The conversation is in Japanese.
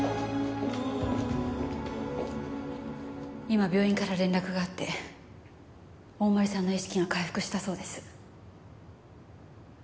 今病院から連絡があって大森さんの意識が回復したそうです。